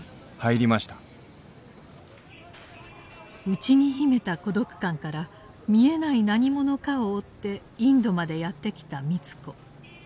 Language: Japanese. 内に秘めた孤独感から見えない何者かを追ってインドまでやって来た美津子。